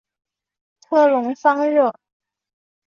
特龙桑热。